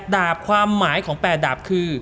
ดาบความหมายของ๘ดาบคือ